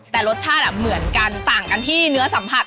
แต่รสชาติเหมือนกันต่างกันที่เนื้อสัมผัส